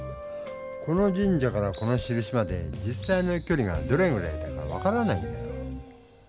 この神社からこのしるしまで実さいのきょりがどれぐらいだか分からないんだよ。